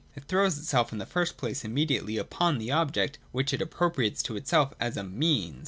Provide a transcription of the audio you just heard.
It throws itself in the first place immediately upon the object, which it appropriates to itself as a Means.